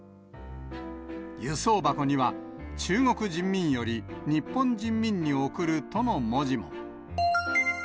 輸送箱には、中国人民より日本人民に贈るとの文字も。